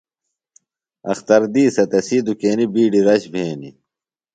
اختر دِیسہ تسی دُکینیۡ بِیڈیۡ رش بھینیۡ۔